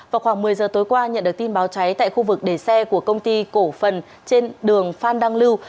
vào khoảng một mươi giờ tối qua nhận được tin báo cháy tại khu vực đề xe của công ty cổ phần trên đường phan đăng lưu